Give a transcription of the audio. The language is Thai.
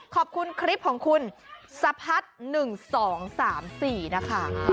ขอบคุณคลิปของคุณสะพัด๑๒๓๔นะคะ